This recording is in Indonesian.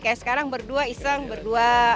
kayak sekarang berdua iseng berdua